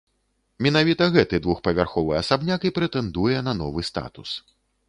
Менавіта гэты двухпавярховы асабняк і прэтэндуе на новы статус.